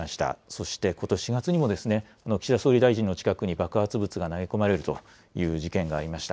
そしてことし４月にも、岸田総理大臣の近くに爆発物が投げ込まれるという事件がありました。